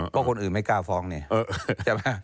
เพราะคนอื่นไม่กล้าฟ้องเนี่ย